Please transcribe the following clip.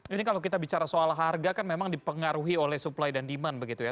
ini kalau kita bicara soal harga kan memang dipengaruhi oleh supply dan demand begitu ya